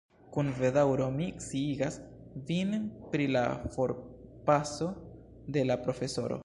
Kun bedaŭro mi sciigas vin pri la forpaso de la profesoro.